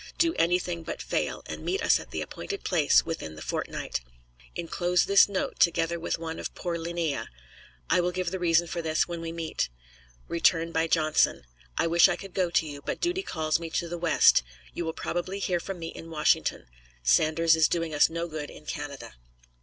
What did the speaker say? Do anything but fail, and meet us at the appointed place within the fortnight. Inclose this note, together with one of poor Leenea. I will give the reason for this when we meet. Return by Johnson. I wish I could go to you, but duty calls me to the West; you will probably hear from me in Washington. Sanders is doing us no good in Canada.